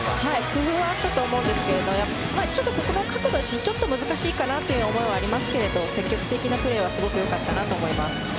工夫はあったと思うんですけどやっぱりちょっと角度が難しいかなというところはありますが積極的なプレーはすごく良かったなと思います。